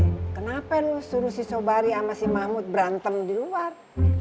kenapa nu suruh si sobari sama si mahmud berantem di luar